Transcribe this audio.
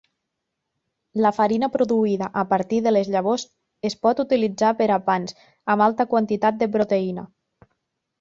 La farina produïda a partir de les llavors es pot utilitzar per a pans amb alta quantitat de proteïna.